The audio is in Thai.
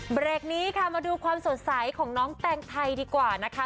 เบรกนี้ค่ะมาดูความสดใสของน้องแตงไทยดีกว่านะคะ